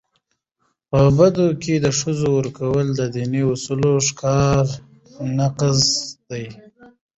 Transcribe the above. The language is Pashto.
په بدو کي د ښځو ورکول د دیني اصولو ښکاره نقض دی.